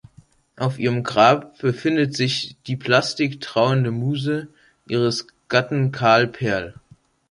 Auf ihrem Grab befindet sich die Plastik "Trauernde Muse" ihres Gatten Karl Perl.